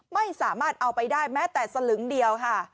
ไม่สามารถเอาไปได้แม้แต่สลึงเดียวค่ะ